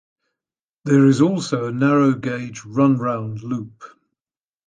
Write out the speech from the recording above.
There is also a narrow gauge run-round loop.